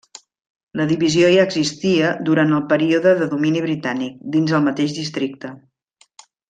La divisió ja existia durant el període de domini britànic, dins el mateix districte.